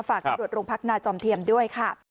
ฝากตำรวจโรงพักนาจอมเทียมด้วยค่ะ